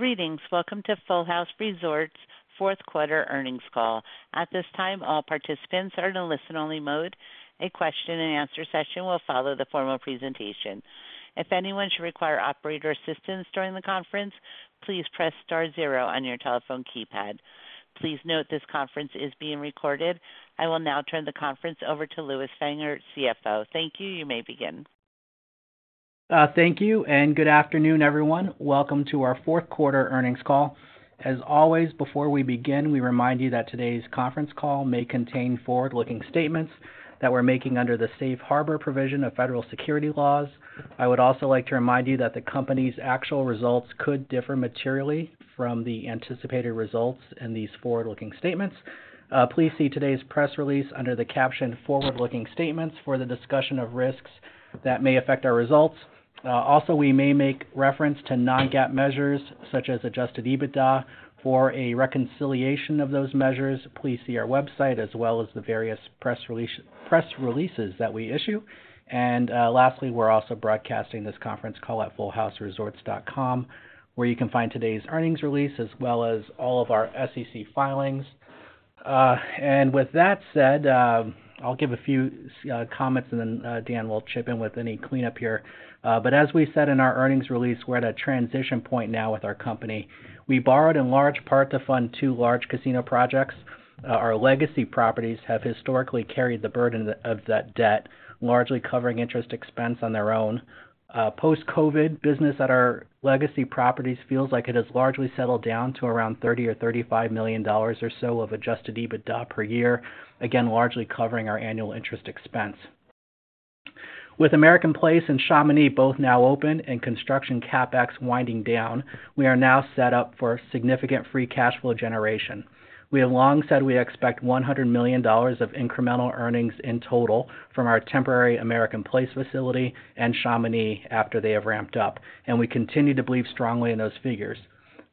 Greetings, welcome to Full House Resorts' fourth quarter earnings call. At this time, all participants are in a listen-only mode. A question-and-answer session will follow the formal presentation. If anyone should require operator assistance during the conference, please press star zero on your telephone keypad. Please note this conference is being recorded. I will now turn the conference over to Lewis Fanger, CFO. Thank you, you may begin. Thank you, and good afternoon, everyone. Welcome to our fourth quarter earnings call. As always, before we begin, we remind you that today's conference call may contain forward-looking statements that we're making under the Safe Harbor provision of federal security laws. I would also like to remind you that the company's actual results could differ materially from the anticipated results in these forward-looking statements. Please see today's press release under the caption "Forward-looking Statements" for the discussion of risks that may affect our results. Also, we may make reference to non-GAAP measures such as adjusted EBITDA for a reconciliation of those measures. Please see our website as well as the various press releases that we issue. Lastly, we're also broadcasting this conference call at fullhouseresorts.com, where you can find today's earnings release as well as all of our SEC filings. And with that said, I'll give a few comments and then Dan will chip in with any cleanup here. But as we said in our earnings release, we're at a transition point now with our company. We borrowed in large part to fund two large casino projects. Our legacy properties have historically carried the burden of that debt, largely covering interest expense on their own. Post-COVID, business at our legacy properties feels like it has largely settled down to around $30 million or $35 million or so of adjusted EBITDA per year, again largely covering our annual interest expense. With American Place and Chamonix both now open and construction CapEx winding down, we are now set up for significant free cash flow generation. We have long said we expect $100 million of incremental earnings in total from our temporary American Place facility and Chamonix after they have ramped up, and we continue to believe strongly in those figures.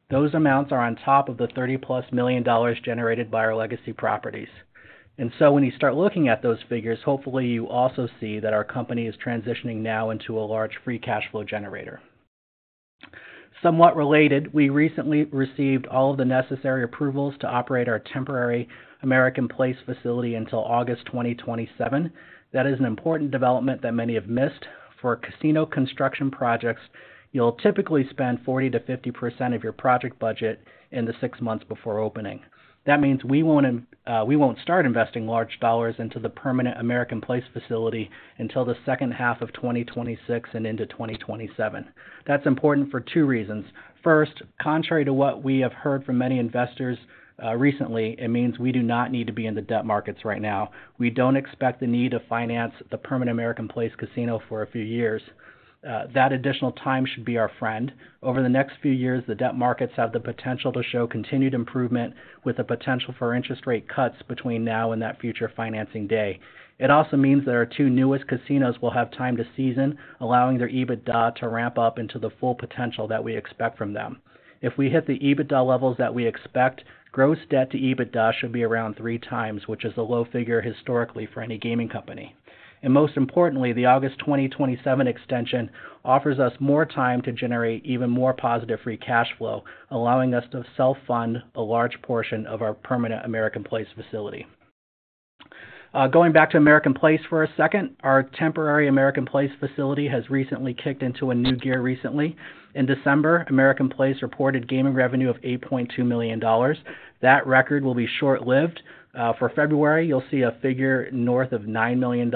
Those amounts are on top of the $30 million+ generated by our legacy properties. So when you start looking at those figures, hopefully you also see that our company is transitioning now into a large free cash flow generator. Somewhat related, we recently received all of the necessary approvals to operate our temporary American Place facility until August 2027. That is an important development that many have missed. For casino construction projects, you'll typically spend 40%-50% of your project budget in the six months before opening. That means we won't start investing large dollars into the permanent American Place facility until the second half of 2026 and into 2027. That's important for two reasons. First, contrary to what we have heard from many investors recently, it means we do not need to be in the debt markets right now. We don't expect the need to finance the permanent American Place casino for a few years. That additional time should be our friend. Over the next few years, the debt markets have the potential to show continued improvement with the potential for interest rate cuts between now and that future financing day. It also means that our two newest casinos will have time to season, allowing their EBITDA to ramp up into the full potential that we expect from them. If we hit the EBITDA levels that we expect, gross debt to EBITDA should be around three times, which is a low figure historically for any gaming company. And most importantly, the August 2027 extension offers us more time to generate even more positive free cash flow, allowing us to self-fund a large portion of our permanent American Place facility. Going back to American Place for a second, our temporary American Place facility has recently kicked into a new gear. In December, American Place reported gaming revenue of $8.2 million. That record will be short-lived. For February, you'll see a figure north of $9 million.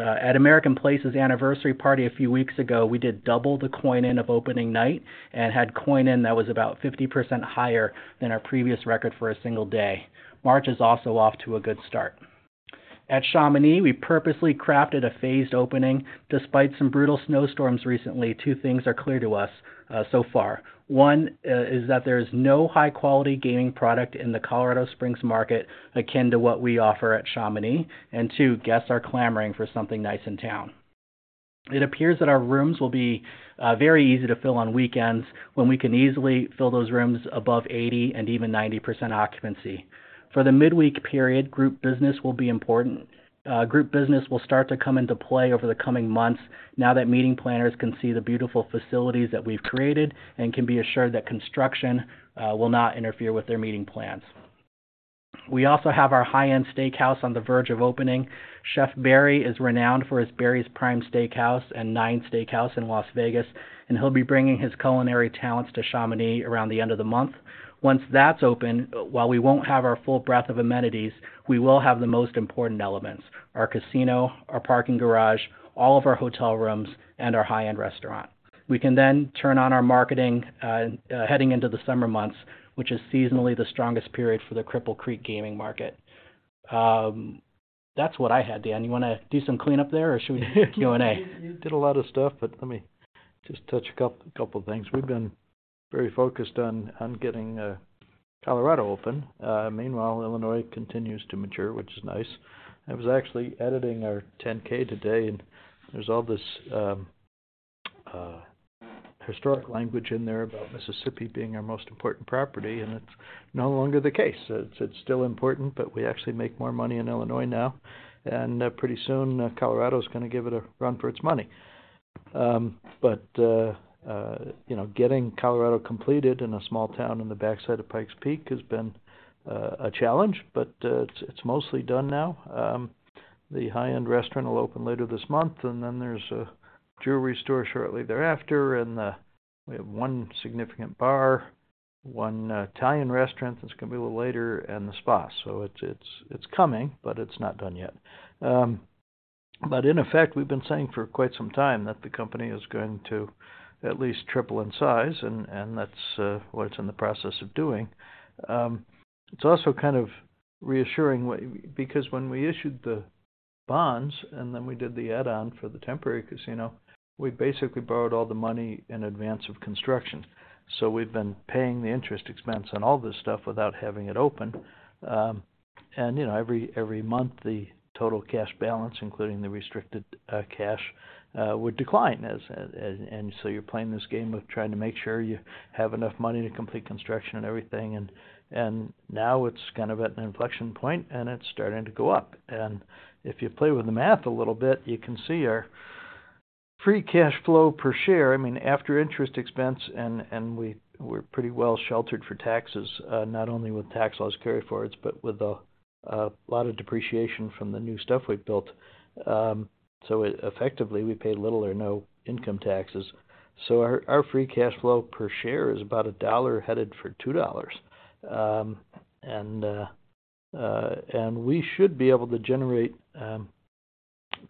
At American Place's anniversary party a few weeks ago, we did double the coin-in of opening night and had coin-in that was about 50% higher than our previous record for a single day. March is also off to a good start. At Chamonix, we purposely crafted a phased opening. Despite some brutal snowstorms recently, two things are clear to us, so far. One, is that there is no high-quality gaming product in the Colorado Springs market akin to what we offer at Chamonix, and two, guests are clamoring for something nice in town. It appears that our rooms will be very easy to fill on weekends when we can easily fill those rooms above 80% and even 90% occupancy. For the midweek period, group business will be important. Group business will start to come into play over the coming months now that meeting planners can see the beautiful facilities that we've created and can be assured that construction will not interfere with their meeting plans. We also have our high-end steakhouse on the verge of opening. Chef Barry is renowned for his Barry's Prime Steakhouse and N9NE Steakhouse in Las Vegas, and he'll be bringing his culinary talents to Chamonix around the end of the month. Once that's open, while we won't have our full breadth of amenities, we will have the most important elements: our casino, our parking garage, all of our hotel rooms, and our high-end restaurant. We can then turn on our marketing, heading into the summer months, which is seasonally the strongest period for the Cripple Creek gaming market. That's what I had, Dan. You want to do some cleanup there, or should we do Q&A? You did a lot of stuff, but let me just touch a couple of things. We've been very focused on getting Colorado open. Meanwhile, Illinois continues to mature, which is nice. I was actually editing our 10-K today, and there's all this historic language in there about Mississippi being our most important property, and it's no longer the case. It's still important, but we actually make more money in Illinois now, and pretty soon Colorado's going to give it a run for its money. You know, getting Colorado completed in a small town in the backside of Pikes Peak has been a challenge, but it's mostly done now. The high-end restaurant will open later this month, and then there's a jewelry store shortly thereafter, and we have one significant bar, one Italian restaurant that's going to be a little later, and the spa. So it's coming, but it's not done yet. But in effect, we've been saying for quite some time that the company is going to at least triple in size, and that's what it's in the process of doing. It's also kind of reassuring because when we issued the bonds and then we did the add-on for The Temporary casino, we basically borrowed all the money in advance of construction. So we've been paying the interest expense on all this stuff without having it open. And, you know, every month the total cash balance, including the restricted cash, would decline, and so you're playing this game of trying to make sure you have enough money to complete construction and everything, and now it's kind of at an inflection point, and it's starting to go up. If you play with the math a little bit, you can see our Free Cash Flow per share, I mean, after interest expense and we're pretty well sheltered for taxes, not only with tax loss carryforwards but with a lot of depreciation from the new stuff we've built. So effectively we pay little or no income taxes. Our Free Cash Flow per share is about $1 headed for $2. We should be able to generate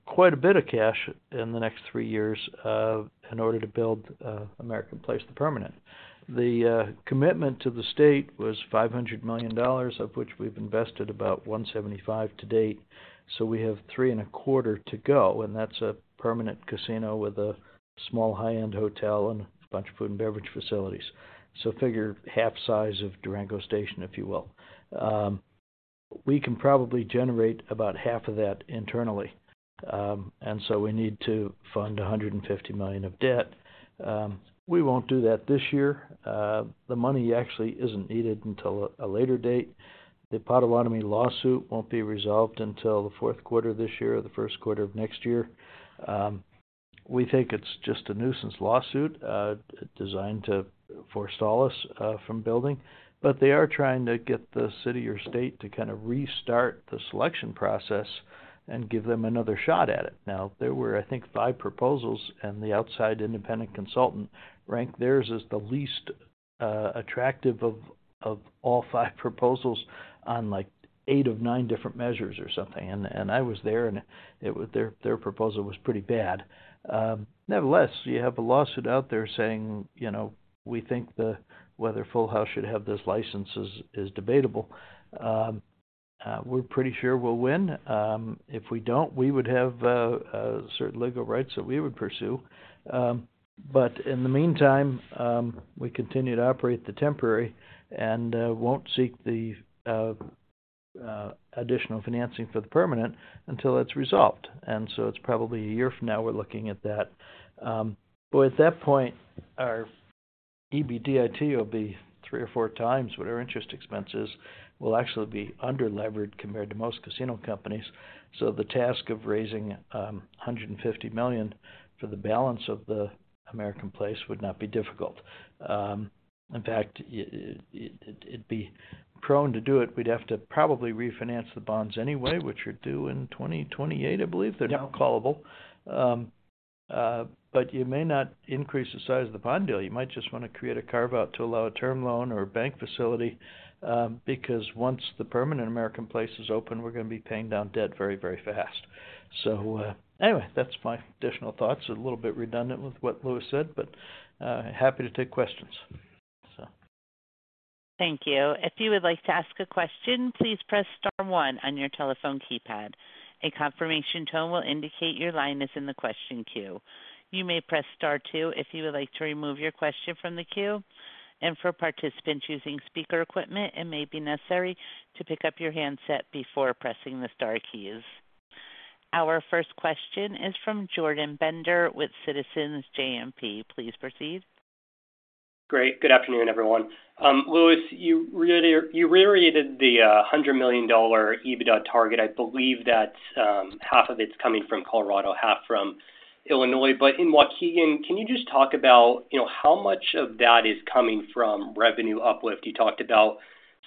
quite a bit of cash in the next 3 years in order to build American Place, the permanent. The commitment to the state was $500 million, of which we've invested about $175 million to date, so we have $325 million to go, and that's a permanent casino with a small high-end hotel and a bunch of food and beverage facilities. Figure half-size of Durango Station, if you will. We can probably generate about half of that internally, and so we need to fund $150 million of debt. We won't do that this year. The money actually isn't needed until a later date. The Potawatomi lawsuit won't be resolved until the fourth quarter this year or the first quarter of next year. We think it's just a nuisance lawsuit designed to forestall us from building, but they are trying to get the city or state to kind of restart the selection process and give them another shot at it. Now, there were, I think, five proposals, and the outside independent consultant ranked theirs as the least attractive of all five proposals on, like, eight of nine different measures or something, and I was there, and their proposal was pretty bad. Nevertheless, you have a lawsuit out there saying, you know, we think whether Full House should have those licenses is debatable. We're pretty sure we'll win. If we don't, we would have certain legal rights that we would pursue. But in the meantime, we continue to operate The Temporary and won't seek the additional financing for the permanent until it's resolved, and so it's probably a year from now we're looking at that. But at that point, our EBITDA too will be three or four times what our interest expense is. We'll actually be underlevered compared to most casino companies, so the task of raising $150 million for the balance of the American Place would not be difficult. In fact, it'd be prone to do it. We'd have to probably refinance the bonds anyway, which are due in 2028, I believe. They're now callable. But you may not increase the size of the bond deal. You might just want to create a carve-out to allow a term loan or a bank facility because once the permanent American Place is open, we're going to be paying down debt very, very fast. So, anyway, that's my additional thoughts. A little bit redundant with what Lewis said, but happy to take questions, so. Thank you. If you would like to ask a question, please press star one on your telephone keypad. A confirmation tone will indicate your line is in the question queue. You may press star two if you would like to remove your question from the queue. For participants using speaker equipment, it may be necessary to pick up your handset before pressing the star keys. Our first question is from Jordan Bender with Citizens JMP. Please proceed. Great. Good afternoon, everyone. Lewis, you reiterated the $100 million EBITDA target. I believe that $50 million of it is coming from Colorado, $50 million from Illinois. But in Waukegan, can you just talk about, you know, how much of that is coming from revenue uplift? You talked about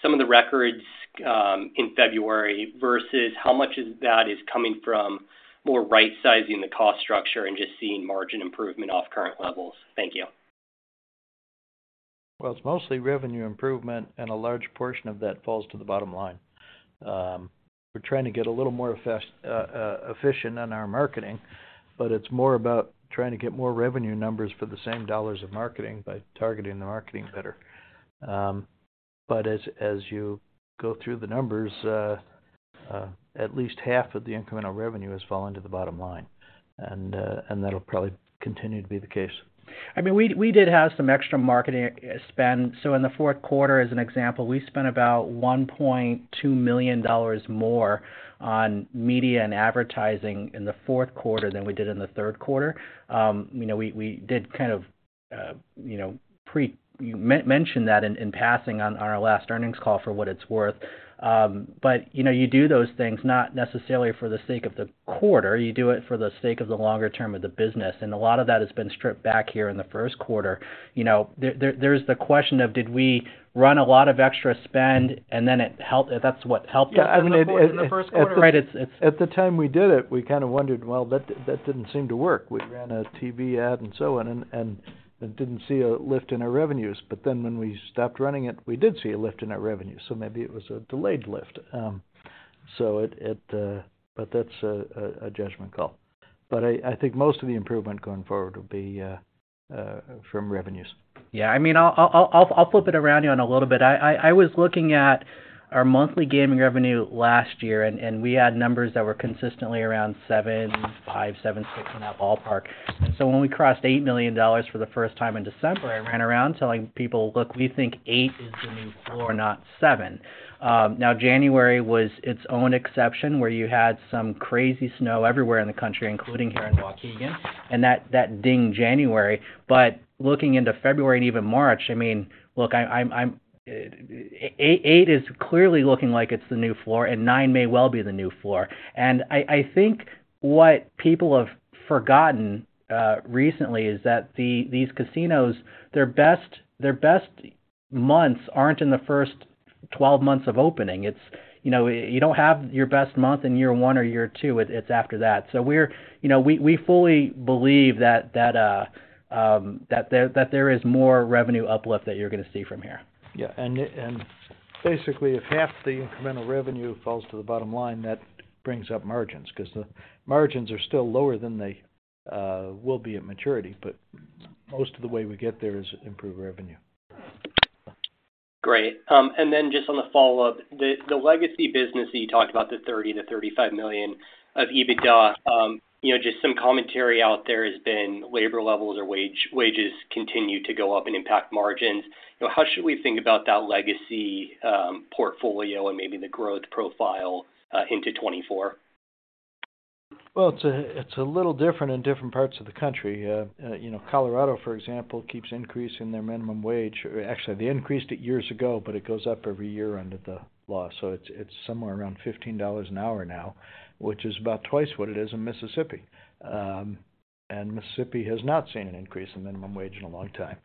some of the records in February versus how much of that is coming from more right-sizing the cost structure and just seeing margin improvement off current levels. Thank you. Well, it's mostly revenue improvement, and a large portion of that falls to the bottom line. We're trying to get a little more efficient on our marketing, but it's more about trying to get more revenue numbers for the same dollars of marketing by targeting the marketing better. But as you go through the numbers, at least half of the incremental revenue has fallen to the bottom line, and that'll probably continue to be the case. I mean, we did have some extra marketing spend. So in the fourth quarter, as an example, we spent about $1.2 million more on media and advertising in the fourth quarter than we did in the third quarter. You know, we did kind of, you know, pre-mentioned that in passing on our last earnings call for what it's worth. But, you know, you do those things not necessarily for the sake of the quarter. You do it for the sake of the longer term of the business, and a lot of that has been stripped back here in the first quarter. You know, there's the question of did we run a lot of extra spend, and then it helped that's what helped us in the first quarter. Right. It's. At the time we did it, we kind of wondered, well, that didn't seem to work. We ran a TV ad and so on and didn't see a lift in our revenues. But then when we stopped running it, we did see a lift in our revenues, so maybe it was a delayed lift. So it, but that's a judgment call. But I think most of the improvement going forward will be from revenues. Yeah. I mean, I'll flip it around you on a little bit. I was looking at our monthly gaming revenue last year, and we had numbers that were consistently around $7.5, $7.6 in that ballpark. And so when we crossed $8 million for the first time in December, I ran around telling people, look, we think $8 million is the new floor, not $7 million. Now, January was its own exception where you had some crazy snow everywhere in the country, including here in Waukegan, and that dinged January. But looking into February and even March, I mean, look, $8 million is clearly looking like it's the new floor, and $9 million may well be the new floor. And I think what people have forgotten recently is that these casinos, their best months aren't in the first 12 months of opening. It's, you know, you don't have your best month in year one or year two. It's after that. So we're, you know, we fully believe that there is more revenue uplift that you're going to see from here. Yeah. Basically, if half the incremental revenue falls to the bottom line, that brings up margins because the margins are still lower than they will be at maturity, but most of the way we get there is improved revenue. Great. Then just on the follow-up, the legacy business that you talked about, the $30 million-$35 million of EBITDA, you know, just some commentary out there has been labor levels or wages continue to go up and impact margins. How should we think about that legacy portfolio and maybe the growth profile into 2024? Well, it's a little different in different parts of the country. You know, Colorado, for example, keeps increasing their minimum wage. Actually, they increased it years ago, but it goes up every year under the law. So it's somewhere around $15 an hour now, which is about twice what it is in Mississippi. And Mississippi has not seen an increase in minimum wage in a long time.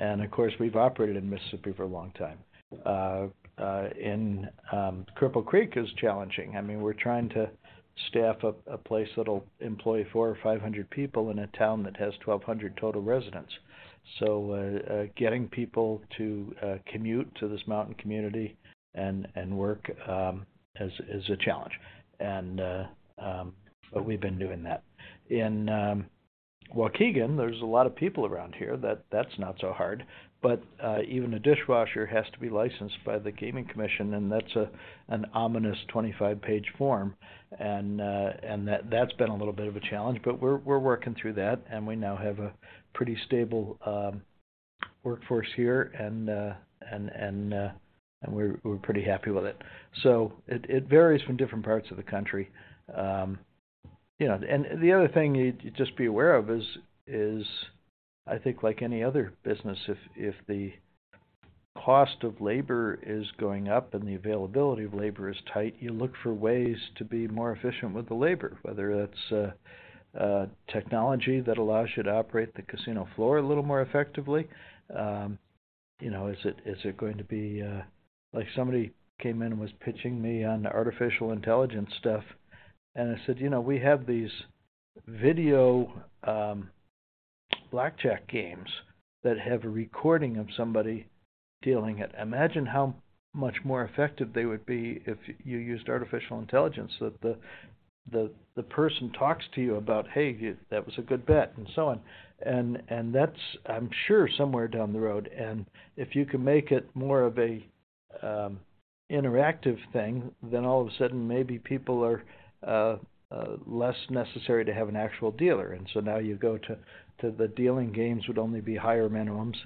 And of course, we've operated in Mississippi for a long time. Cripple Creek is challenging. I mean, we're trying to staff a place that'll employ 400 or 500 people in a town that has 1,200 total residents. So getting people to commute to this mountain community and work is a challenge, but we've been doing that. In Waukegan, there's a lot of people around here. That's not so hard. But even a dishwasher has to be licensed by the Gaming Commission, and that's an ominous 25-page form, and that's been a little bit of a challenge. But we're working through that, and we now have a pretty stable workforce here, and we're pretty happy with it. So it varies from different parts of the country. You know, and the other thing you'd just be aware of is, I think, like any other business, if the cost of labor is going up and the availability of labor is tight, you look for ways to be more efficient with the labor, whether that's technology that allows you to operate the casino floor a little more effectively. You know, is it going to be like somebody came in and was pitching me on artificial intelligence stuff, and I said, you know, we have these video blackjack games that have a recording of somebody dealing it. Imagine how much more effective they would be if you used artificial intelligence, that the person talks to you about, hey, that was a good bet and so on. And that's, I'm sure, somewhere down the road. And if you can make it more of an interactive thing, then all of a sudden maybe people are less necessary to have an actual dealer. And so now you go to the dealing games would only be higher minimums.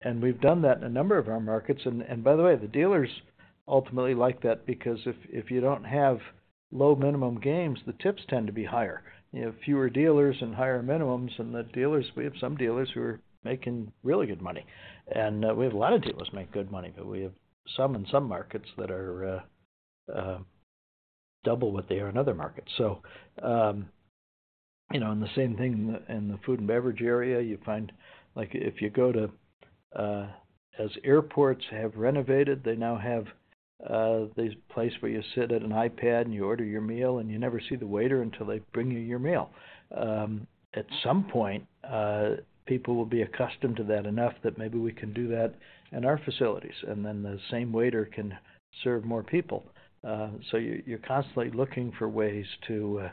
And we've done that in a number of our markets. And by the way, the dealers ultimately like that because if you don't have low minimum games, the tips tend to be higher. You have fewer dealers and higher minimums, and the dealers we have, some dealers who are making really good money. And we have a lot of dealers make good money, but we have some in some markets that are double what they are in other markets. So, you know, and the same thing in the food and beverage area, you find like if you go to as airports have renovated, they now have this place where you sit at an iPad and you order your meal, and you never see the waiter until they bring you your meal. At some point, people will be accustomed to that enough that maybe we can do that in our facilities, and then the same waiter can serve more people. So you're constantly looking for ways to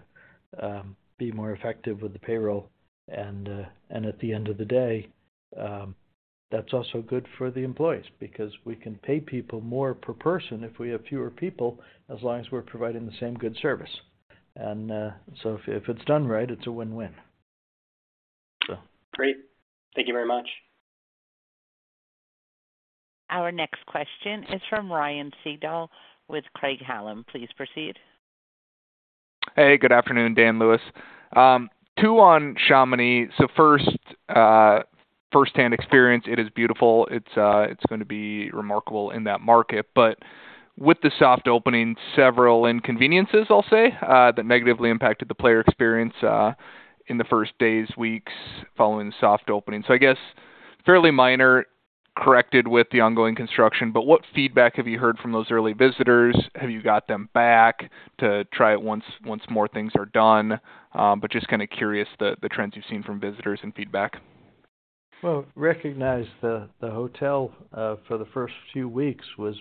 be more effective with the payroll. At the end of the day, that's also good for the employees because we can pay people more per person if we have fewer people as long as we're providing the same good service. So if it's done right, it's a win-win. Great. Thank you very much. Our next question is from Ryan Sigdahl with Craig-Hallum. Please proceed. Hey, good afternoon, Dan, Lewis. Q on Chamonix. So first, firsthand experience, it is beautiful. It's going to be remarkable in that market. But with the soft opening, several inconveniences, I'll say, that negatively impacted the player experience in the first days, weeks following the soft opening. So I guess fairly minor, corrected with the ongoing construction. But what feedback have you heard from those early visitors? Have you got them back to try it once more things are done? But just kind of curious the trends you've seen from visitors and feedback. Well, recognize the hotel for the first few weeks was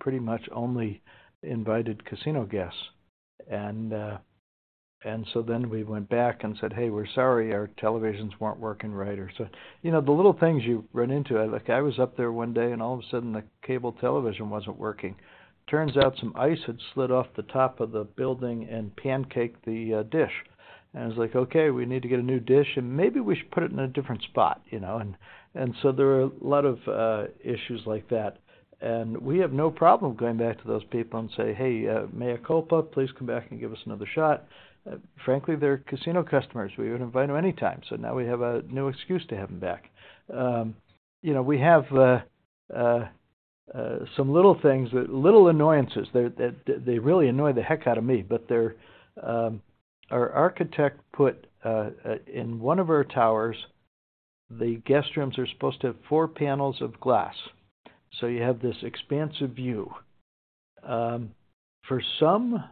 pretty much only invited casino guests. And so then we went back and said, hey, we're sorry our televisions weren't working right. Or so, you know, the little things you run into. Like, I was up there one day, and all of a sudden the cable television wasn't working. Turns out some ice had slid off the top of the building and pancaked the dish. And I was like, okay, we need to get a new dish, and maybe we should put it in a different spot, you know? And so there were a lot of issues like that. And we have no problem going back to those people and say, hey, make it up? Please come back and give us another shot. Frankly, they're casino customers. We would invite them anytime. So now we have a new excuse to have them back. You know, we have some little things, little annoyances. They really annoy the heck out of me, but our architect put in one of our towers, the guest rooms are supposed to have four panels of glass. So you have this expansive view. For some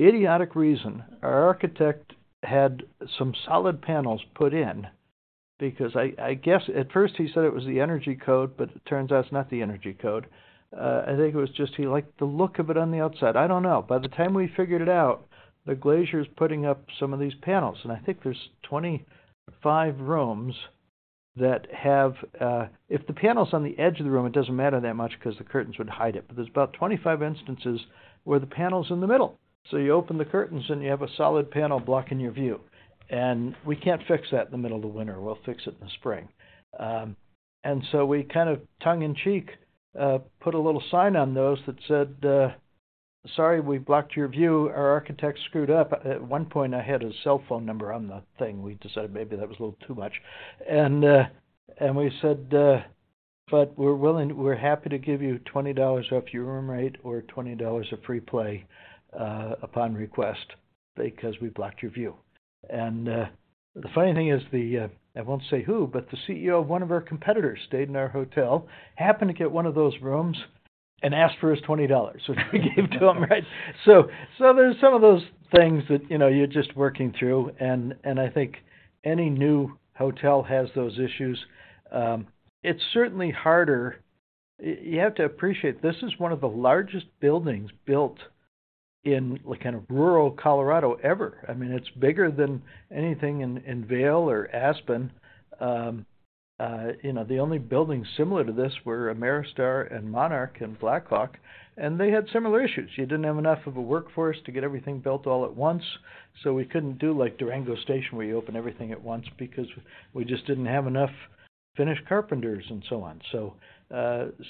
idiotic reason, our architect had some solid panels put in because I guess at first he said it was the energy code, but it turns out it's not the energy code. I think it was just he liked the look of it on the outside. I don't know. By the time we figured it out, the glazier is putting up some of these panels. And I think there's 25 rooms that have if the panel's on the edge of the room, it doesn't matter that much because the curtains would hide it. But there's about 25 instances where the panel's in the middle. So you open the curtains, and you have a solid panel blocking your view. And we can't fix that in the middle of the winter. We'll fix it in the spring. And so we kind of tongue-in-cheek put a little sign on those that said, "Sorry, we've blocked your view. Our architect screwed up." At one point, I had his cell phone number on the thing. We decided maybe that was a little too much. And we said, "But we're willing; we're happy to give you $20 off your room rate or $20 of free play upon request because we blocked your view. And the funny thing is, I won't say who, but the CEO of one of our competitors stayed in our hotel, happened to get one of those rooms, and asked for his $20, which we gave to him, right? So there's some of those things that, you know, you're just working through. And I think any new hotel has those issues. It's certainly harder. You have to appreciate this is one of the largest buildings built in kind of rural Colorado ever. I mean, it's bigger than anything in Vail or Aspen. You know, the only buildings similar to this were Ameristar and Monarch and Black Hawk. And they had similar issues. You didn't have enough of a workforce to get everything built all at once. So we couldn't do like Durango Station where you open everything at once because we just didn't have enough finished carpenters and so on.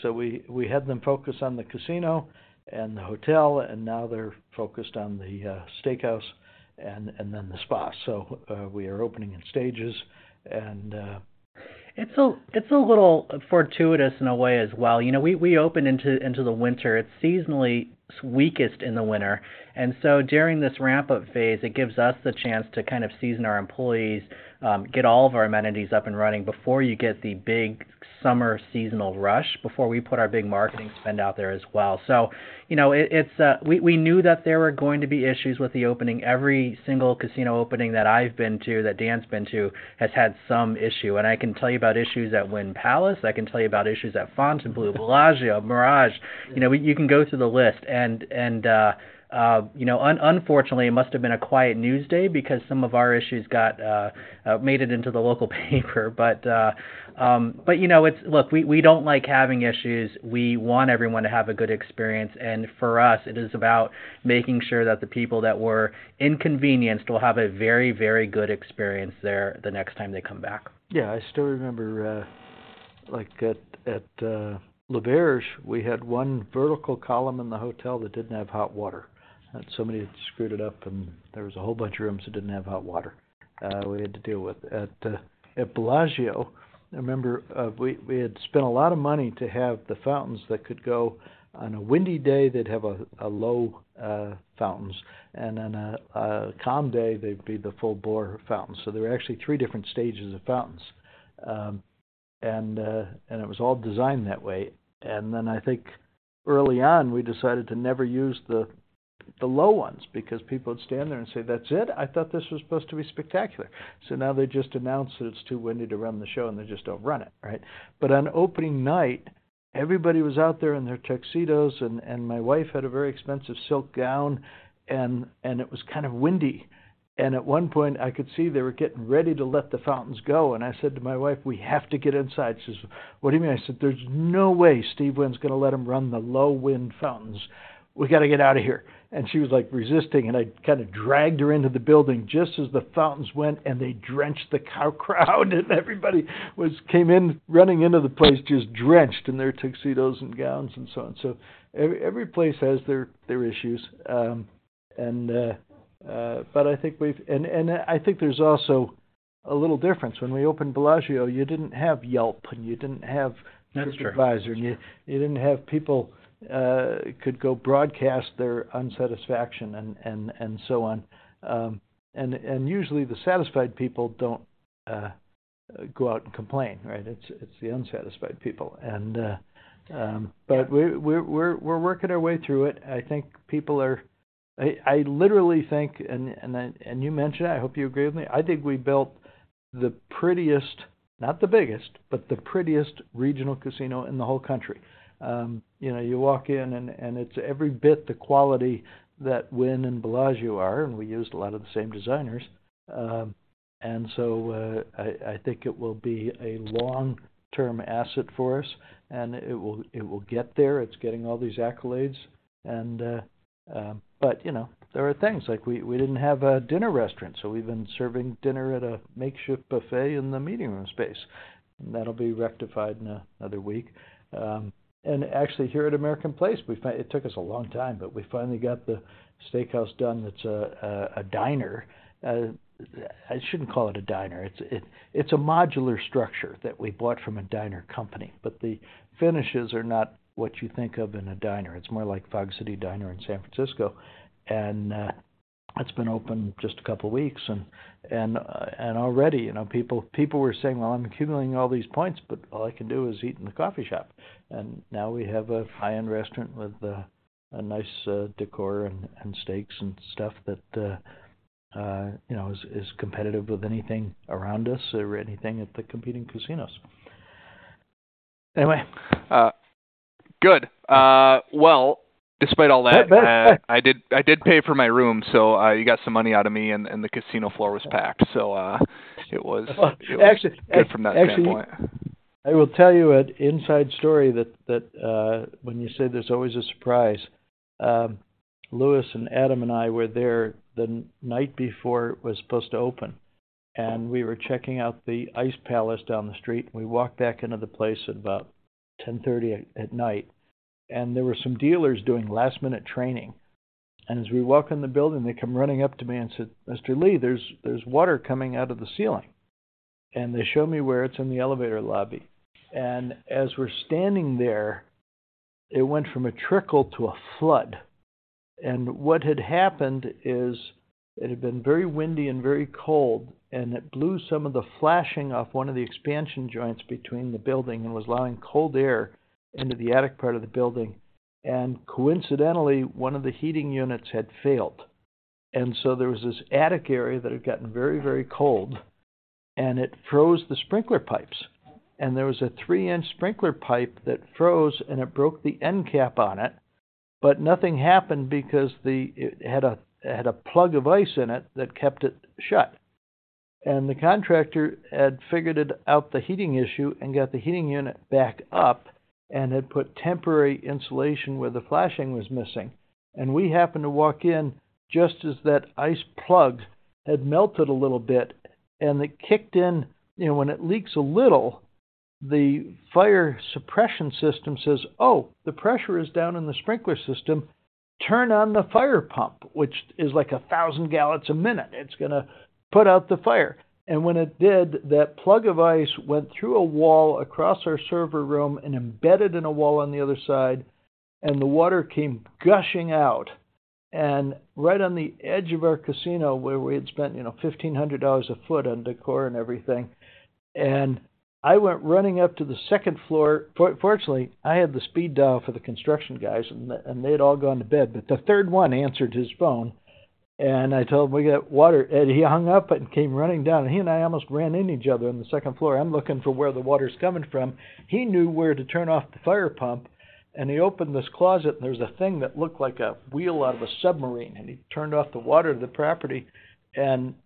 So we had them focus on the casino and the hotel, and now they're focused on the steakhouse and then the spa. So we are opening in stages. It's a little fortuitous in a way as well. You know, we open into the winter. It's seasonally weakest in the winter. And so during this ramp-up phase, it gives us the chance to kind of season our employees, get all of our amenities up and running before you get the big summer seasonal rush, before we put our big marketing spend out there as well. So, you know, we knew that there were going to be issues with the opening. Every single casino opening that I've been to, that Dan's been to, has had some issue. And I can tell you about issues at Wynn Palace. I can tell you about issues at Fontainebleau, Bellagio, Mirage. You know, you can go through the list. And, you know, unfortunately, it must have been a quiet news day because some of our issues made it into the local paper. But, you know, it's, look, we don't like having issues. We want everyone to have a good experience. And for us, it is about making sure that the people that were inconvenienced will have a very, very good experience there the next time they come back. Yeah. I still remember, like at The Mirage, we had one vertical column in the hotel that didn't have hot water. Somebody had screwed it up, and there was a whole bunch of rooms that didn't have hot water we had to deal with. At Bellagio, I remember we had spent a lot of money to have the fountains that could go on a windy day that have a low fountains. On a calm day, they'd be the full bore fountains. So there were actually three different stages of fountains. It was all designed that way. Then I think early on, we decided to never use the low ones because people would stand there and say, that's it. I thought this was supposed to be spectacular. So now they just announced that it's too windy to run the show, and they just don't run it, right? But on opening night, everybody was out there in their tuxedos, and my wife had a very expensive silk gown, and it was kind of windy. At one point, I could see they were getting ready to let the fountains go. And I said to my wife, "We have to get inside." She says, "What do you mean?" I said, "There's no way Steve Wynn's going to let them run the low wind fountains. We got to get out of here." And she was like resisting. And I kind of dragged her into the building just as the fountains went, and they drenched the crowd. And everybody came in running into the place just drenched in their tuxedos and gowns and so on. So every place has their issues. But I think we've and I think there's also a little difference. When we opened Bellagio, you didn't have Yelp, and you didn't have Tripadvisor. You didn't have people who could go broadcast their dissatisfaction and so on. Usually, the satisfied people don't go out and complain, right? It's the unsatisfied people. But we're working our way through it. I think people are. I literally think, and you mentioned it. I hope you agree with me. I think we built the prettiest, not the biggest, but the prettiest regional casino in the whole country. You know, you walk in, and it's every bit the quality that Wynn and Bellagio are. We used a lot of the same designers. So I think it will be a long-term asset for us, and it will get there. It's getting all these accolades. But, you know, there are things like we didn't have a dinner restaurant. So we've been serving dinner at a makeshift buffet in the meeting room space. That'll be rectified in another week. And actually, here at American Place, it took us a long time, but we finally got the steakhouse done that's a diner. I shouldn't call it a diner. It's a modular structure that we bought from a diner company. But the finishes are not what you think of in a diner. It's more like Fog City Diner in San Francisco. And it's been open just a couple of weeks. And already, you know, people were saying, well, I'm accumulating all these points, but all I can do is eat in the coffee shop. And now we have a high-end restaurant with a nice décor and steaks and stuff that, you know, is competitive with anything around us or anything at the competing casinos. Anyway. Good. Well, despite all that, I did pay for my room. So you got some money out of me, and the casino floor was packed. So it was good from that standpoint. Actually, I will tell you an inside story that when you say there's always a surprise, Lewis and Adam and I were there the night before it was supposed to open. We were checking out the Ice Palace down the street. We walked back into the place at about 10:30 P.M. There were some dealers doing last-minute training. As we walk in the building, they come running up to me and said, Mr. Lee, there's water coming out of the ceiling. They show me where it's in the elevator lobby. As we're standing there, it went from a trickle to a flood. What had happened is it had been very windy and very cold, and it blew some of the flashing off one of the expansion joints between the building and was allowing cold air into the attic part of the building. Coincidentally, one of the heating units had failed. So there was this attic area that had gotten very, very cold, and it froze the sprinkler pipes. There was a 3-inch sprinkler pipe that froze, and it broke the end cap on it. But nothing happened because it had a plug of ice in it that kept it shut. The contractor had figured it out, the heating issue, and got the heating unit back up and had put temporary insulation where the flashing was missing. We happened to walk in just as that ice plug had melted a little bit, and it kicked in. You know, when it leaks a little, the fire suppression system says, oh, the pressure is down in the sprinkler system. Turn on the fire pump, which is like 1,000 gal a minute. It's going to put out the fire. And when it did, that plug of ice went through a wall across our server room and embedded in a wall on the other side. And the water came gushing out. And right on the edge of our casino where we had spent, you know, $1,500 a foot on décor and everything. And I went running up to the second floor. Fortunately, I had the speed dial for the construction guys, and they had all gone to bed. But the third one answered his phone. And I told him we got water. And he hung up and came running down. And he and I almost ran into each other on the second floor. I'm looking for where the water's coming from. He knew where to turn off the fire pump. And he opened this closet, and there was a thing that looked like a wheel out of a submarine. He turned off the water to the property. Then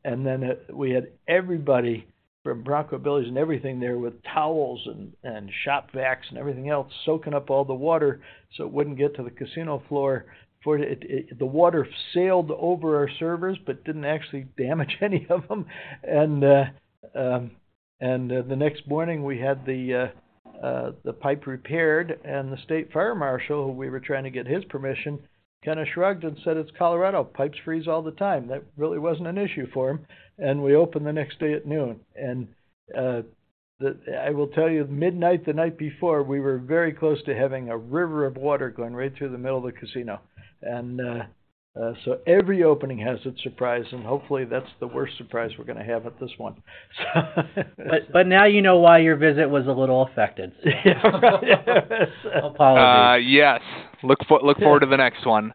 we had everybody from Bronco Billy's and everything there with towels and shop vacs and everything else soaking up all the water so it wouldn't get to the casino floor. The water sailed over our servers but didn't actually damage any of them. The next morning, we had the pipe repaired. The state fire marshal, who we were trying to get his permission, kind of shrugged and said, "It's Colorado. Pipes freeze all the time." That really wasn't an issue for him. We opened the next day at noon. I will tell you, midnight the night before, we were very close to having a river of water going right through the middle of the casino. So every opening has its surprise. Hopefully, that's the worst surprise we're going to have at this one. But now you know why your visit was a little affected. Apologies. Yes. Look forward to the next one.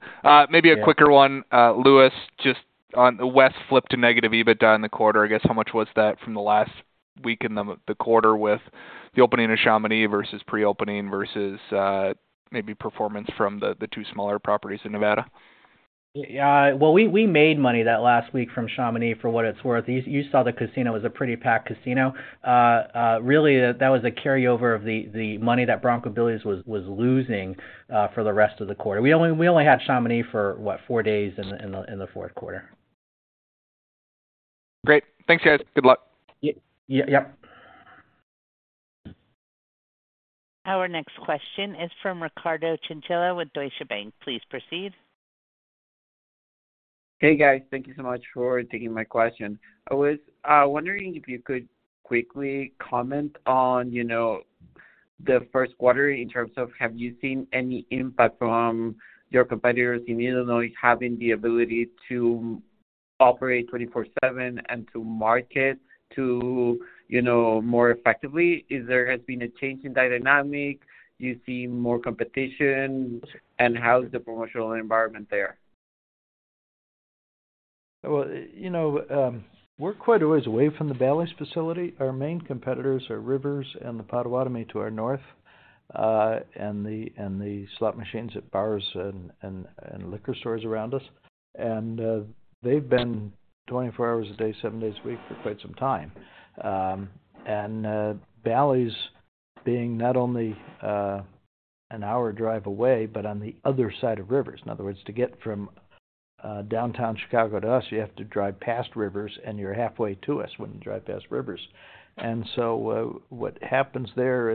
Maybe a quicker one. Lewis, just on the West flipped to negative EBITDA in the quarter. I guess how much was that from the last week in the quarter with the opening of Chamonix versus pre-opening versus maybe performance from the two smaller properties in Nevada? Well, we made money that last week from Chamonix for what it's worth. You saw the casino was a pretty packed casino. Really, that was a carryover of the money that Bronco Billy's was losing for the rest of the quarter. We only had Chamonix for, what, four days in the fourth quarter. Great. Thanks, guys. Good luck. Yep. Our next question is from Ricardo Chinchilla with Deutsche Bank. Please proceed. Hey, guys. Thank you so much for taking my question. I was wondering if you could quickly comment on, you know, the first quarter in terms of have you seen any impact from your competitors in Illinois having the ability to operate 24/7 and to market to, you know, more effectively? Is there has been a change in dynamic? Do you see more competition? And how's the promotional environment there? Well, you know, we're quite a ways away from the Bally's facility. Our main competitors are Rivers and the Potawatomi to our north and the slot machines at bars and liquor stores around us. And they've been 24 hours a day, seven days a week for quite some time. And Bally's being not only an hour drive away, but on the other side of Rivers. In other words, to get from downtown Chicago to us, you have to drive past Rivers, and you're halfway to us when you drive past Rivers. And so what happens there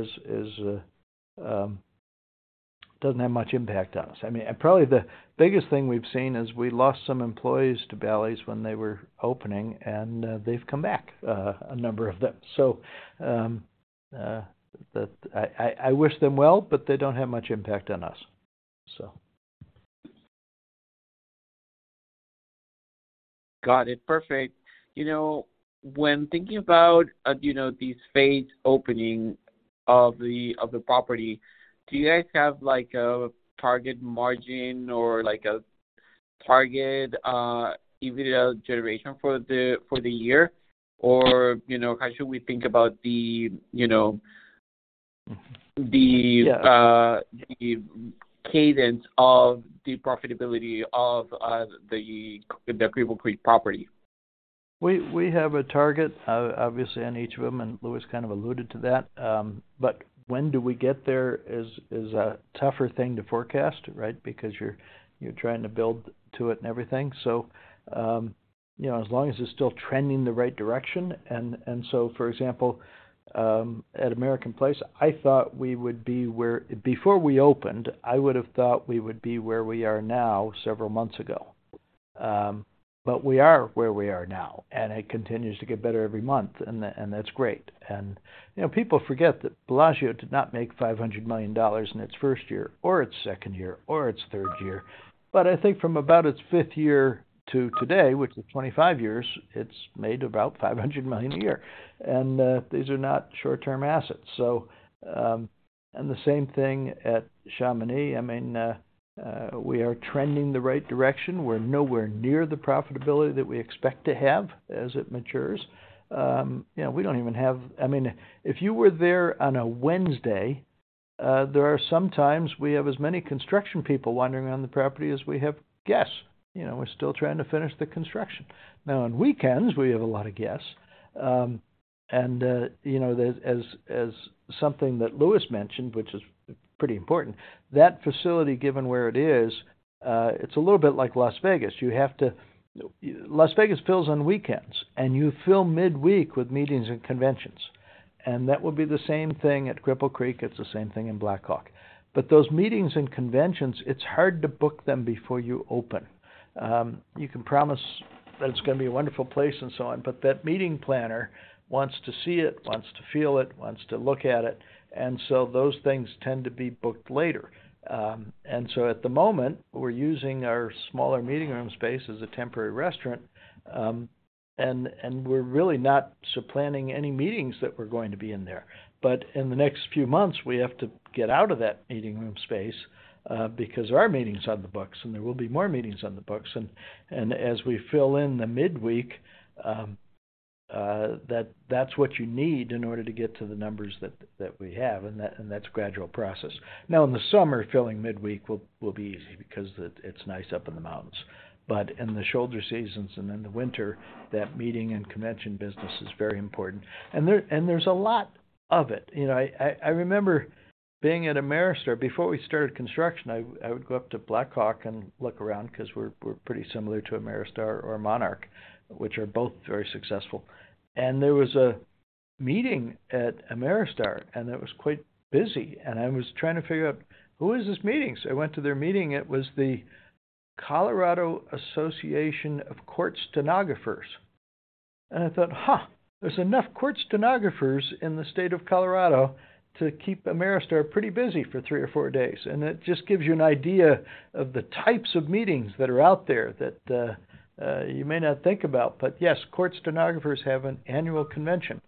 doesn't have much impact on us. I mean, probably the biggest thing we've seen is we lost some employees to Bally's when they were opening, and they've come back, a number of them. So I wish them well, but they don't have much impact on us. Got it. Perfect. You know, when thinking about, you know, this phase opening of the property, do you guys have like a target margin or like a target EBITDA generation for the year? Or, you know, how should we think about the, you know, the cadence of the profitability of the Cripple Creek property? We have a target, obviously, on each of them. And Lewis kind of alluded to that. But when do we get there is a tougher thing to forecast, right? Because you're trying to build to it and everything. So, you know, as long as it's still trending the right direction. And so, for example, at American Place, I thought we would be where before we opened, I would have thought we would be where we are now several months ago. But we are where we are now. And it continues to get better every month, and that's great. And, you know, people forget that Bellagio did not make $500 million in its first year or its second year or its third year. But I think from about its fifth year to today, which is 25 years, it's made about $500 million a year. And these are not short-term assets. And the same thing at Chamonix. I mean, we are trending the right direction. We're nowhere near the profitability that we expect to have as it matures. You know, we don't even have. I mean, if you were there on a Wednesday, there are sometimes we have as many construction people wandering on the property as we have guests. You know, we're still trying to finish the construction. Now, on weekends, we have a lot of guests. And, you know, as something that Lewis mentioned, which is pretty important, that facility, given where it is, it's a little bit like Las Vegas. Las Vegas fills on weekends, and you fill midweek with meetings and conventions. And that will be the same thing at Cripple Creek. It's the same thing in Black Hawk. But those meetings and conventions, it's hard to book them before you open. You can promise that it's going to be a wonderful place and so on. But that meeting planner wants to see it, wants to feel it, wants to look at it. And so those things tend to be booked later. And so at the moment, we're using our smaller meeting room space as a temporary restaurant. And we're really not supplanting any meetings that we're going to be in there. But in the next few months, we have to get out of that meeting room space because our meetings are on the books, and there will be more meetings on the books. And as we fill in the midweek, that's what you need in order to get to the numbers that we have. And that's a gradual process. Now, in the summer, filling midweek will be easy because it's nice up in the mountains. But in the shoulder seasons and in the winter, that meeting and convention business is very important. And there's a lot of it. You know, I remember being at Ameristar before we started construction. I would go up to Black Hawk and look around because we're pretty similar to Ameristar or Monarch, which are both very successful. And there was a meeting at Ameristar, and it was quite busy. And I was trying to figure out who was this meeting. So I went to their meeting. It was the Colorado Association of Court Stenographers. And I thought, huh, there's enough court stenographers in the state of Colorado to keep Ameristar pretty busy for three or four days. And it just gives you an idea of the types of meetings that are out there that you may not think about. But yes, court stenographers have an annual convention.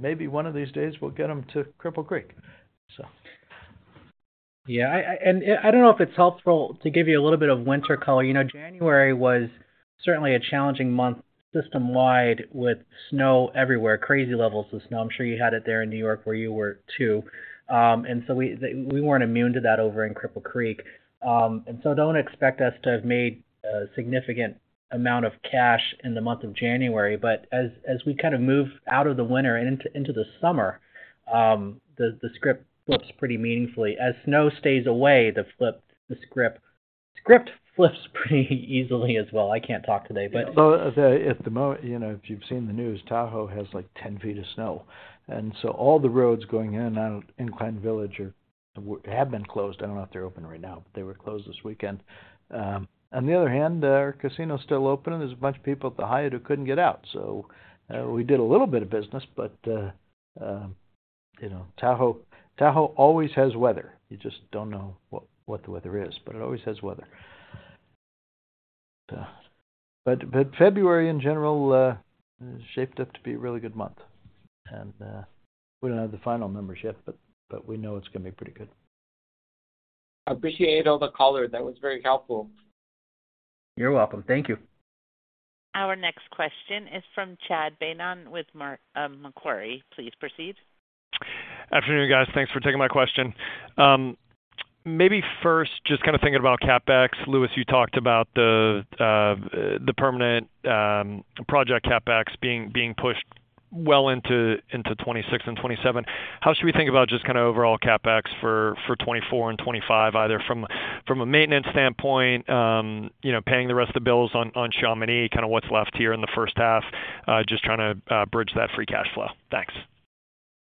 Maybe one of these days, we'll get them to Cripple Creek. Yeah. I don't know if it's helpful to give you a little bit of winter color. You know, January was certainly a challenging month system-wide with snow everywhere, crazy levels of snow. I'm sure you had it there in New York where you were too. So we weren't immune to that over in Cripple Creek. So don't expect us to have made a significant amount of cash in the month of January. But as we kind of move out of the winter and into the summer, the script flips pretty meaningfully. As snow stays away, the script flips pretty easily as well. I can't talk today. Well, at the moment, you know, if you've seen the news, Tahoe has like 10 feet of snow. And so all the roads going in and out of Incline Village have been closed. I don't know if they're open right now, but they were closed this weekend. On the other hand, our casino's still open. There's a bunch of people at the Hyatt who couldn't get out. So we did a little bit of business. But, you know, Tahoe always has weather. You just don't know what the weather is. But it always has weather. But February, in general, shaped up to be a really good month. And we don't have the final numbers yet, but we know it's going to be pretty good. Appreciate all the color. That was very helpful. You're welcome. Thank you. Our next question is from Chad Beynon with Macquarie. Please proceed. Afternoon, guys. Thanks for taking my question. Maybe first, just kind of thinking about CapEx. Lewis, you talked about the permanent project CapEx being pushed well into 2026 and 2027. How should we think about just kind of overall CapEx for 2024 and 2025, either from a maintenance standpoint, you know, paying the rest of the bills on Chamonix, kind of what's left here in the first half, just trying to bridge that free cash flow? Thanks.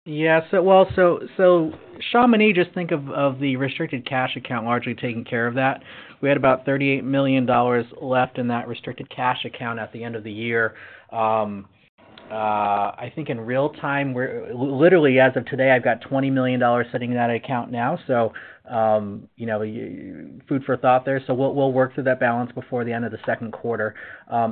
Yes. Well, so Chamonix, just think of the restricted cash account largely taking care of that. We had about $38 million left in that restricted cash account at the end of the year. I think in real time, literally as of today, I've got $20 million sitting in that account now. So, you know, food for thought there. So we'll work through that balance before the end of the second quarter.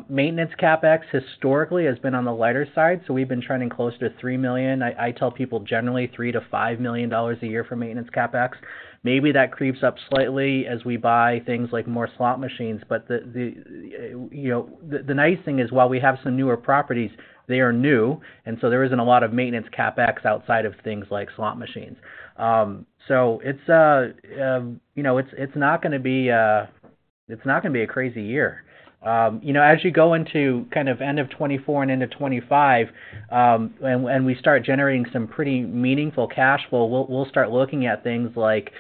Maintenance CapEx historically has been on the lighter side. So we've been trending close to $3 million. I tell people generally $3-$5 million a year for maintenance CapEx. Maybe that creeps up slightly as we buy things like more slot machines. But, you know, the nice thing is while we have some newer properties, they are new. And so there isn't a lot of maintenance CapEx outside of things like slot machines. So it's, you know, it's not going to be a crazy year. You know, as you go into kind of end of 2024 and into 2025 and we start generating some pretty meaningful cash flow, we'll start looking at things like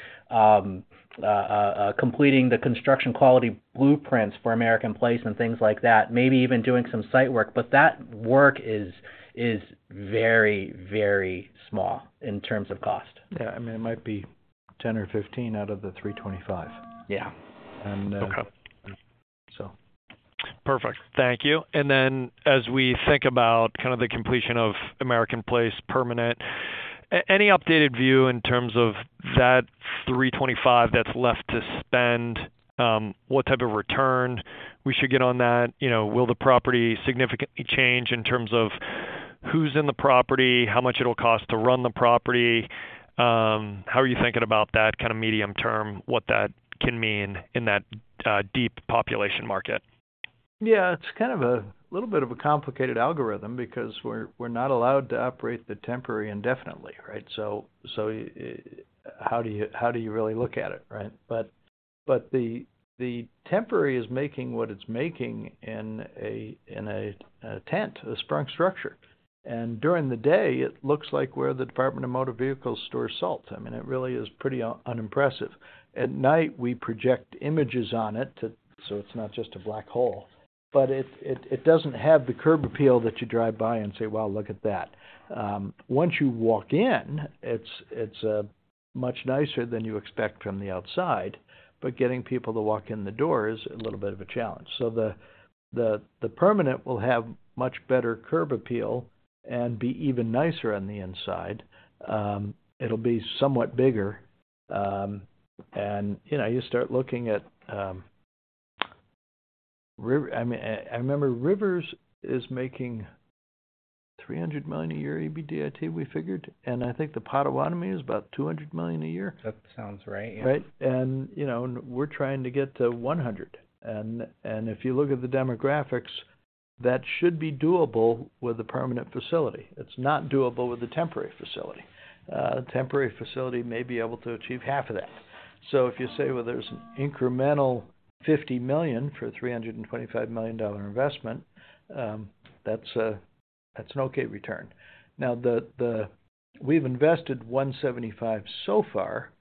completing the construction quality blueprints for American Place and things like that, maybe even doing some site work. But that work is very, very small in terms of cost. Yeah. I mean, it might be 10 or 15 out of the 325. Yeah. Okay. Perfect. Thank you. And then as we think about kind of the completion of American Place permanent, any updated view in terms of that $325 that's left to spend? What type of return we should get on that? You know, will the property significantly change in terms of who's in the property, how much it'll cost to run the property? How are you thinking about that kind of medium term, what that can mean in that deep population market? Yeah. It's kind of a little bit of a complicated algorithm because we're not allowed to operate The Temporary indefinitely, right? So how do you really look at it, right? But The Temporary is making what it's making in a tent, a Sprung structure. And during the day, it looks like where the Department of Motor Vehicles stores salt. I mean, it really is pretty unimpressive. At night, we project images on it so it's not just a black hole. But it doesn't have the curb appeal that you drive by and say, "Wow, look at that." Once you walk in, it's much nicer than you expect from the outside. But getting people to walk in the door is a little bit of a challenge. So the permanent will have much better curb appeal and be even nicer on the inside. It'll be somewhat bigger. You know, you start looking at, I mean, I remember Rivers is making $300 million a year, EBITDA we figured. I think the Potawatomi is about $200 million a year. That sounds right. Right? And, you know, we're trying to get to $100. And if you look at the demographics, that should be doable with the permanent facility. It's not doable with The Temporary facility. The temporary facility may be able to achieve half of that. So if you say, "Well, there's an incremental $50 million for a $325 million investment," that's an okay return. Now, we've invested $175 so far,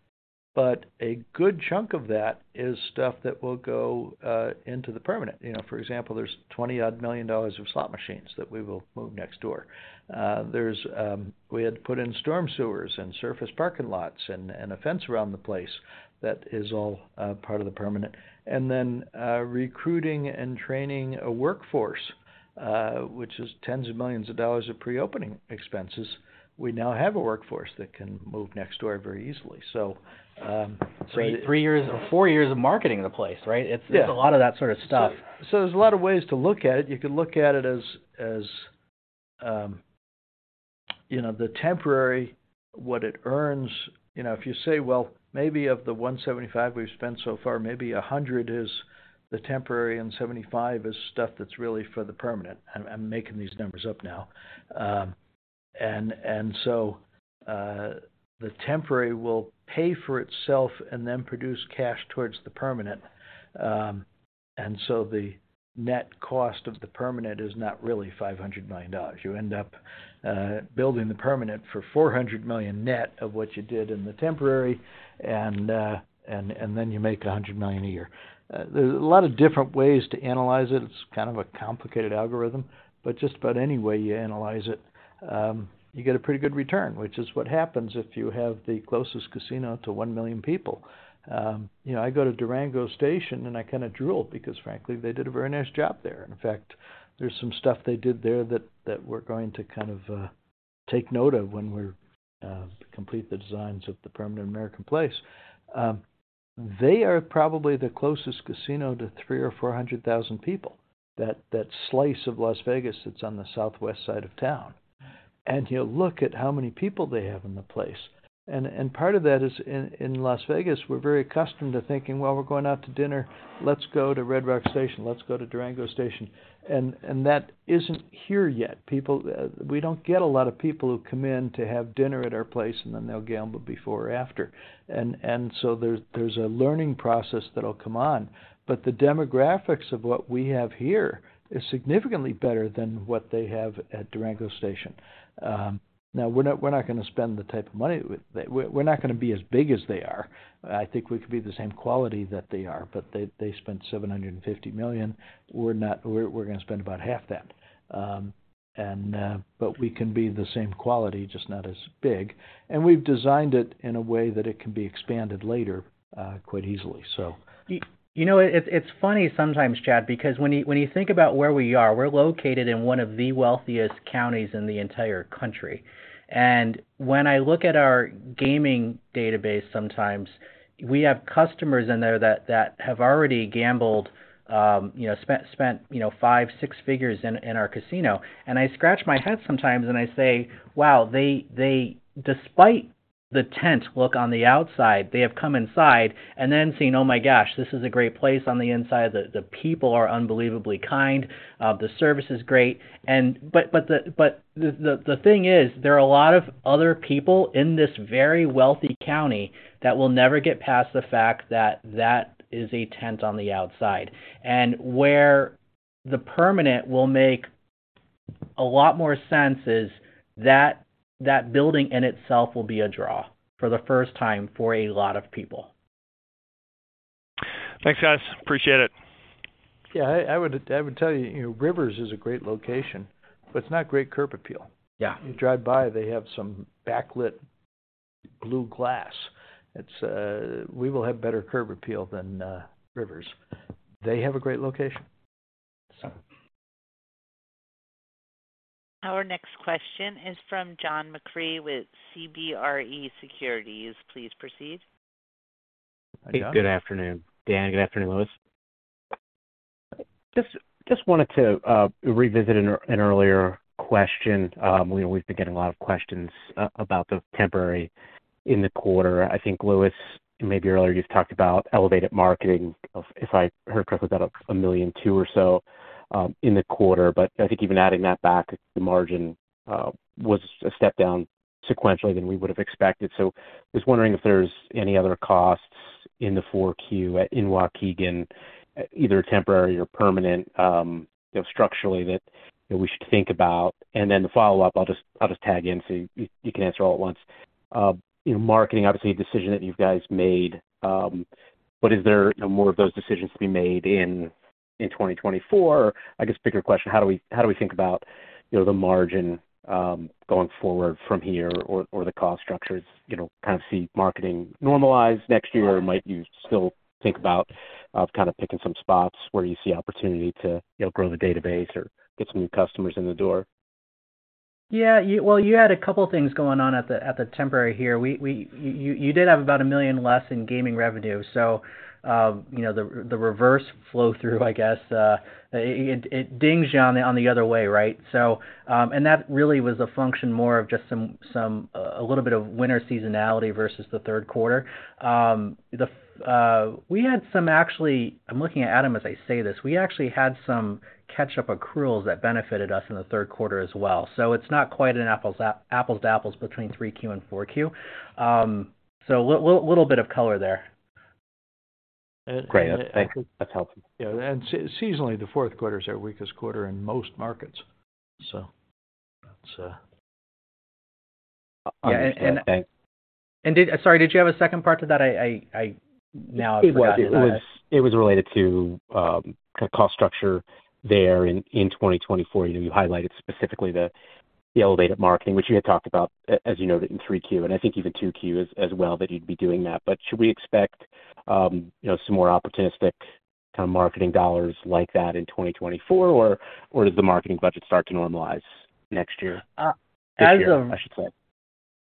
but a good chunk of that is stuff that will go into the permanent. You know, for example, there's $20-odd million of slot machines that we will move next door. We had to put in storm sewers and surface parking lots and a fence around the place that is all part of the permanent. And then recruiting and training a workforce, which is $tens of millions of pre-opening expenses, we now have a workforce that can move next door very easily. So three years or four years of marketing the place, right? It's a lot of that sort of stuff. So there's a lot of ways to look at it. You could look at it as, you know, The Temporary, what it earns. You know, if you say, "Well, maybe of the $175 we've spent so far, maybe $100 is The Temporary and $75 is stuff that's really for the permanent." I'm making these numbers up now. And so The Temporary will pay for itself and then produce cash towards the permanent. And so the net cost of the permanent is not really $500 million. You end up building the permanent for $400 million net of what you did in The Temporary. And then you make $100 million a year. There's a lot of different ways to analyze it. It's kind of a complicated algorithm. But just about any way you analyze it, you get a pretty good return, which is what happens if you have the closest casino to 1 million people. You know, I go to Durango Station, and I kind of drool because, frankly, they did a very nice job there. In fact, there's some stuff they did there that we're going to kind of take note of when we complete the designs of the permanent American Place. They are probably the closest casino to 300,000 or 400,000 people, that slice of Las Vegas that's on the southwest side of town. And you'll look at how many people they have in the place. And part of that is in Las Vegas, we're very accustomed to thinking, "Well, we're going out to dinner. Let's go to Red Rock Station. Let's go to Durango Station." And that isn't here yet. We don't get a lot of people who come in to have dinner at our place, and then they'll gamble before or after. And so there's a learning process that'll come on. But the demographics of what we have here is significantly better than what they have at Durango Station. Now, we're not going to spend the type of money. We're not going to be as big as they are. I think we could be the same quality that they are. But they spent $750 million. We're going to spend about half that. But we can be the same quality, just not as big. And we've designed it in a way that it can be expanded later quite easily. You know, it's funny sometimes, Chad, because when you think about where we are, we're located in one of the wealthiest counties in the entire country. And when I look at our gaming database sometimes, we have customers in there that have already gambled, you know, spent five to six figures in our casino. And I scratch my head sometimes, and I say, "Wow, despite the tent look on the outside, they have come inside and then seen, 'Oh my gosh, this is a great place on the inside. The people are unbelievably kind. The service is great.'" But the thing is, there are a lot of other people in this very wealthy county that will never get past the fact that that is a tent on the outside. Where the permanent will make a lot more sense is that building in itself will be a draw for the first time for a lot of people. Thanks, guys. Appreciate it. Yeah. I would tell you, Rivers is a great location. But it's not great curb appeal. Yeah. You drive by, they have some backlit blue glass. We will have better curb appeal than Rivers. They have a great location. Our next question is from John DeCree with CBRE Securities. Please proceed. Good afternoon, Dan. Good afternoon, Lewis. Just wanted to revisit an earlier question. We've been getting a lot of questions about The Temporary in the quarter. I think, Lewis, maybe earlier you've talked about elevated marketing, if I heard correctly, about $1.2 million or so in the quarter. But I think even adding that back, the margin was a step down sequentially than we would have expected. So just wondering if there's any other costs in the 4Q in Waukegan, either temporary or permanent, structurally that we should think about. And then the follow-up, I'll just tag in so you can answer all at once. Marketing, obviously, a decision that you guys made. But is there more of those decisions to be made in 2024? I guess, bigger question, how do we think about the margin going forward from here or the cost structures? Kind of see marketing normalize next year? Or might you still think about kind of picking some spots where you see opportunity to grow the database or get some new customers in the door? Yeah. Well, you had a couple of things going on at The Temporary here. You did have about $1 million less in gaming revenue. So the reverse flow-through, I guess, it dings you on the other way, right? And that really was a function more of just a little bit of winter seasonality versus the third quarter. We had some actually I'm looking at Adam as I say this. We actually had some catch-up accruals that benefited us in the third quarter as well. So it's not quite an apples to apples between 3Q and 4Q. So a little bit of color there. Great. That's helpful. Yeah. Seasonally, the fourth quarter is our weakest quarter in most markets. Yeah. And sorry, did you have a second part to that? I now have forgotten about that. It was related to kind of cost structure there in 2024. You highlighted specifically the elevated marketing, which you had talked about, as you noted, in 3Q. And I think even 2Q as well that you'd be doing that. But should we expect some more opportunistic kind of marketing dollars like that in 2024? Or does the marketing budget start to normalize next year? I should say.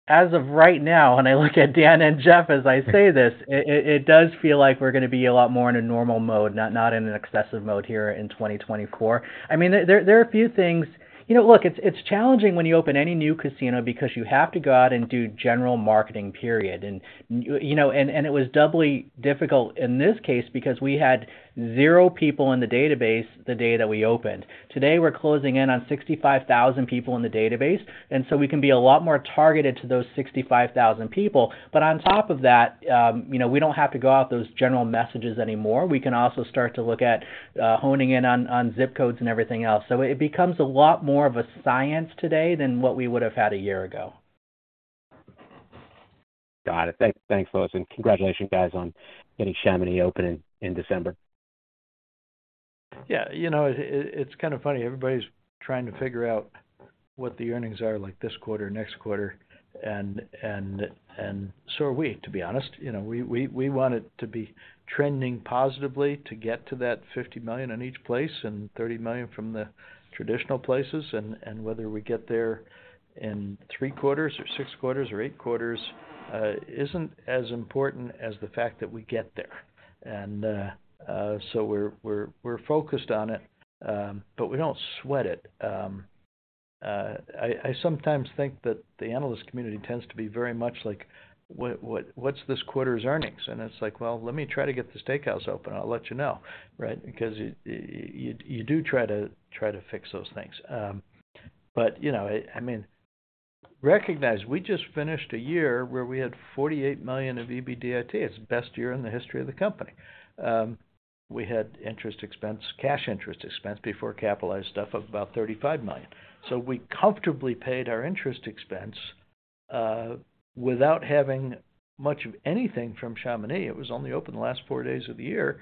As of right now, and I look at Dan and Jeff as I say this, it does feel like we're going to be a lot more in a normal mode, not in an excessive mode here in 2024. I mean, there are a few things. Look, it's challenging when you open any new casino because you have to go out and do general marketing, period. It was doubly difficult in this case because we had zero people in the database the day that we opened. Today, we're closing in on 65,000 people in the database. And so we can be a lot more targeted to those 65,000 people. But on top of that, we don't have to go out those general messages anymore. We can also start to look at honing in on zip codes and everything else. So it becomes a lot more of a science today than what we would have had a year ago. Got it. Thanks, Lewis. And congratulations, guys, on getting Chamonix open in December. Yeah. You know, it's kind of funny. Everybody's trying to figure out what the earnings are like this quarter, next quarter. And so are we, to be honest. We want it to be trending positively to get to that $50 million in each place and $30 million from the traditional places. And whether we get there in three quarters or six quarters or eight quarters isn't as important as the fact that we get there. And so we're focused on it. But we don't sweat it. I sometimes think that the analyst community tends to be very much like, "What's this quarter's earnings?" And it's like, "Well, let me try to get the steakhouse open. I'll let you know," right? Because you do try to fix those things. But, you know, I mean, recognize, we just finished a year where we had $48 million of EBITDA. It's the best year in the history of the company. We had interest expense, cash interest expense before capitalized stuff of about $35 million. So we comfortably paid our interest expense without having much of anything from Chamonix. It was only open the last four days of the year.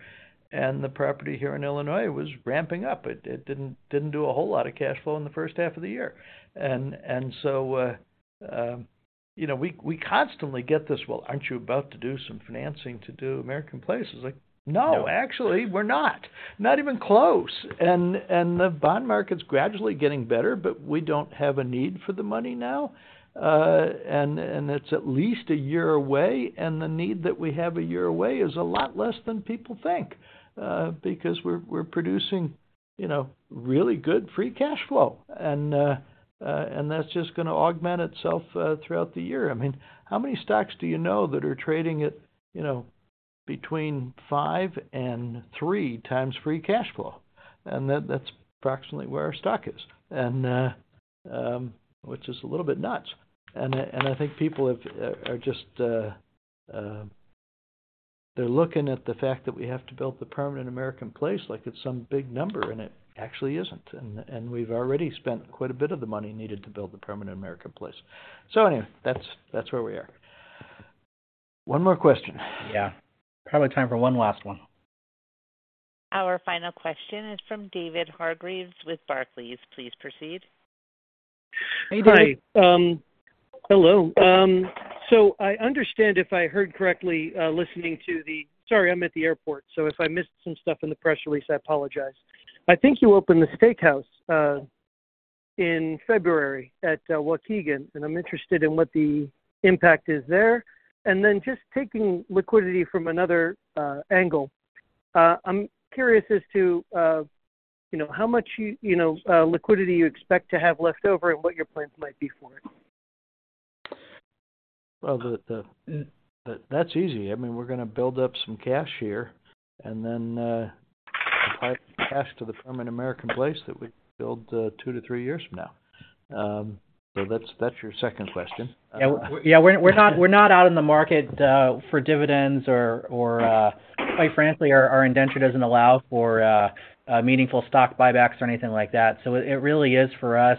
And the property here in Illinois was ramping up. It didn't do a whole lot of cash flow in the first half of the year. And so, you know, we constantly get this, "Well, aren't you about to do some financing to do American Place?" It's like, "No, actually, we're not. Not even close." And the bond market's gradually getting better. But we don't have a need for the money now. And it's at least a year away. And the need that we have a year away is a lot less than people think because we're producing really good free cash flow. And that's just going to augment itself throughout the year. I mean, how many stocks do you know that are trading at between five and three times free cash flow? And that's approximately where our stock is, which is a little bit nuts. And I think people are just they're looking at the fact that we have to build the permanent American Place like it's some big number. And it actually isn't. And we've already spent quite a bit of the money needed to build the permanent American Place. So anyway, that's where we are. One more question. Yeah. Probably time for one last one. Our final question is from David Hargreaves with Barclays. Please proceed. Hey, David. Hello. So I understand, if I heard correctly, listening to the sorry, I'm at the airport. So if I missed some stuff in the press release, I apologize. I think you opened the steakhouse in February at Waukegan. And I'm interested in what the impact is there. And then just taking liquidity from another angle, I'm curious as to how much liquidity you expect to have left over and what your plans might be for it. Well, that's easy. I mean, we're going to build up some cash here. And then apply cash to the permanent American Place that we build two to three years from now. So that's your second question. Yeah. We're not out in the market for dividends. Or quite frankly, our indenture doesn't allow for meaningful stock buybacks or anything like that. So it really is for us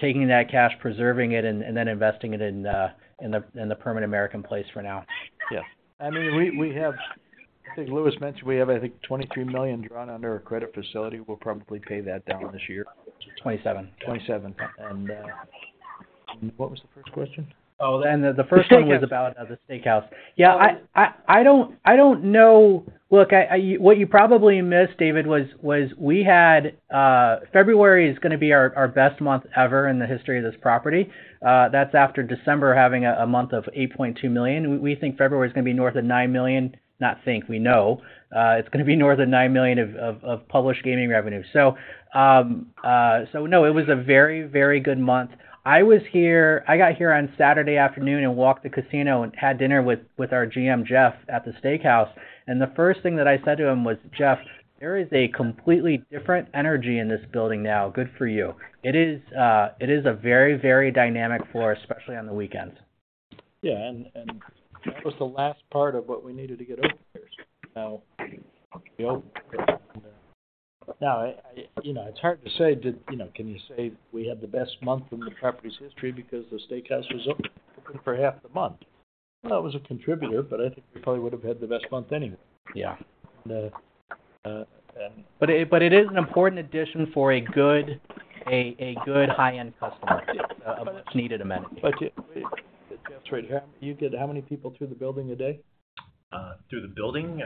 taking that cash, preserving it, and then investing it in the permanent American Place for now. Yeah. I mean, we have I think Lewis mentioned we have, I think, $23 million drawn under our credit facility. We'll probably pay that down this year. 27. 27. What was the first question? Oh, and the first one was about the steakhouse. Yeah. I don't know. Look, what you probably missed, David, was we had February is going to be our best month ever in the history of this property. That's after December having a month of $8.2 million. We think February is going to be north of $9 million. Not think. We know. It's going to be north of $9 million of published gaming revenue. So no, it was a very, very good month. I got here on Saturday afternoon and walked the casino and had dinner with our GM, Jeff, at the steakhouse. And the first thing that I said to him was, "Jeff, there is a completely different energy in this building now. Good for you." It is a very, very dynamic floor, especially on the weekends. Yeah. And that was the last part of what we needed to get open. Now, we opened it. Now, it's hard to say. Can you say we had the best month in the property's history because the steakhouse was open for half the month? Well, it was a contributor. But I think we probably would have had the best month anyway. Yeah. But it is an important addition for a good high-end customer of which needed amenities. Jeff's right here. You get how many people through the building a day? Through the building?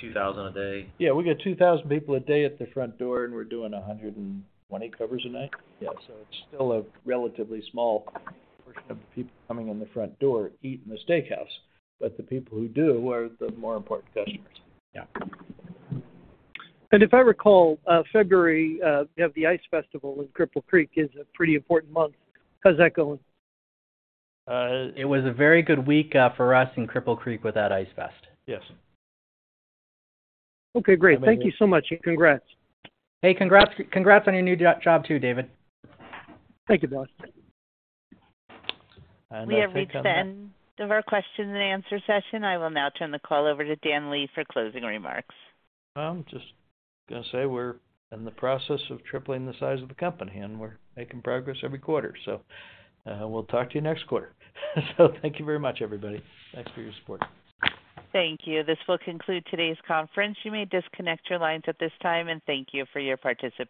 2,000 a day? Yeah. We get 2,000 people a day at the front door. We're doing 120 covers a night. Yeah. It's still a relatively small portion of the people coming in the front door eating the steakhouse. But the people who do are the more important customers. Yeah. If I recall, February, you have the Ice Festival in Cripple Creek. It's a pretty important month. How's that going? It was a very good week for us in Cripple Creek without Ice Fest. Yes. Okay. Great. Thank you so much. And congrats. Hey, congrats on your new job too, David. Thank you, boss. We have reached the end of our questions and answers session. I will now turn the call over to Dan Lee for closing remarks. I'm just going to say we're in the process of tripling the size of the company. We're making progress every quarter. We'll talk to you next quarter. Thank you very much, everybody. Thanks for your support. Thank you. This will conclude today's conference. You may disconnect your lines at this time. Thank you for your participation.